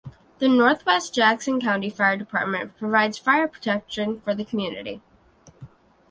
The Northwest Jackson County Fire Department provides fire protection for the community.